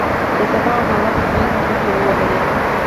د صفا او مروه تر مینځ مو منډې ووهلې.